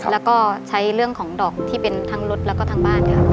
แล้วก็ใช้เรื่องของดอกที่เป็นทั้งรถแล้วก็ทั้งบ้านค่ะ